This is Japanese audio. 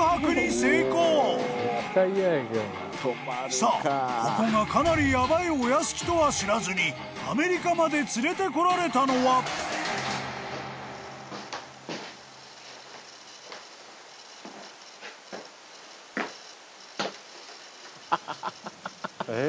［さあここがかなりヤバいお屋敷とは知らずにアメリカまで連れて来られたのは］ハハハ。